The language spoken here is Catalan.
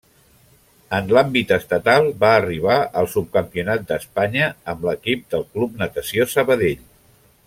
En l'àmbit estatal, va arribar al subcampionat d'Espanya amb l'equip del Club Natació Sabadell.